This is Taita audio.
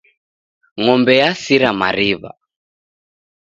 Ng'ombe yasira mariw'a.